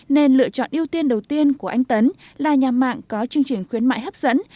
nên lựa chọn ưu tiên đầu tiên của anh tấn là nhà mạng có chương trình khuyến mại hấp dẫn